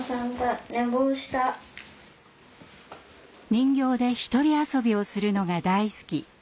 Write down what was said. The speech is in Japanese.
人形で一人遊びをするのが大好き。